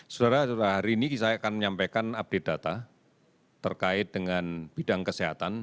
saudara saudara hari ini saya akan menyampaikan update data terkait dengan bidang kesehatan